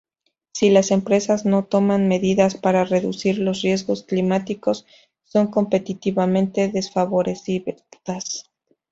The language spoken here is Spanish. Si las empresas no toman medidas para reducir los riesgos climáticos, son competitivamente desfavorecidas.